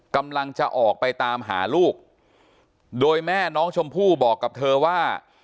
กำลังจะออกไปตามหาลูกโดยแม่น้องชมพู่บอกกับเธอว่า